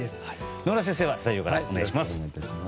野村先生はスタジオからお願いします。